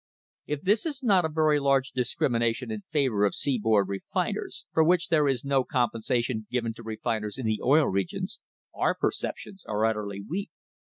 If this is not a very large discrimination in favour of seaboard refiners, for which there is no compensation given to refiners in the Oil Region, our perceptions are utterly weak.